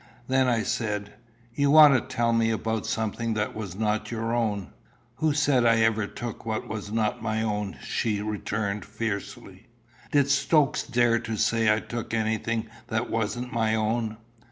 "Then," I said, "you want to tell me about something that was not your own?" "Who said I ever took what was not my own?" she returned fiercely. "Did Stokes dare to say I took anything that wasn't my own?"